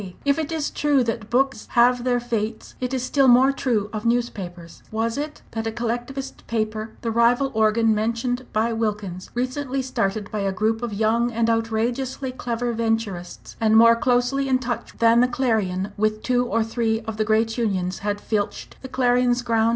If it is true that books have their fates, it is still more true of newspapers. Was it that a collectivist paper the rival organ mentioned by Wilkins recently started by a group of young and outrageously clever Venturists and more closely in touch than the Clarion with two or three of the great unions, had filched the Clarion's ground?